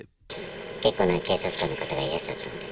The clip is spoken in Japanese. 結構な警察官の方がいらっしゃったので。